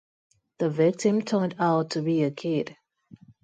The victim turned out to be a kid.